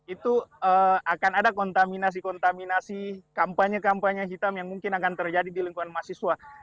itu akan ada kontaminasi kontaminasi kampanye kampanye hitam yang mungkin akan terjadi di lingkungan mahasiswa